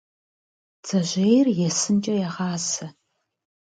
Бдзэжьейр есынкӏэ егъасэ.